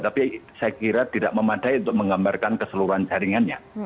tapi saya kira tidak memadai untuk menggambarkan keseluruhan jaringannya